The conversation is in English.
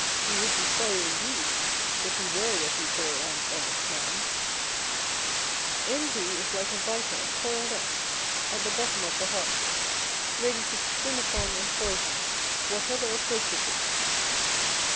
You would be sorry indeed if he were what you call an honest man I Envy is like a viper coiled up at the bottom of the heart, ready to spring upon and poison whatever approaches it.